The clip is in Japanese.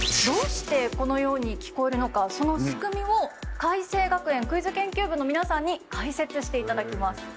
どうしてこのように聞こえるのかその仕組みを開成学園クイズ研究部の皆さんに解説していただきます。